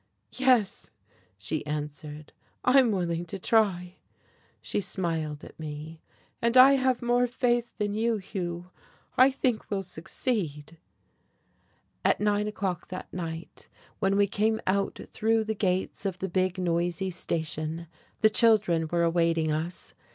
"Yes," she answered, "I'm willing to try." She smiled at me. "And I have more faith than you, Hugh. I think we'll succeed.".... At nine o'clock that night, when we came out through the gates of the big, noisy station, the children were awaiting us.